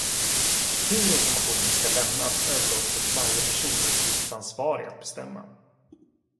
Hur informationen ska lämnas överlåts åt varje personuppgiftsansvarig att bestämma.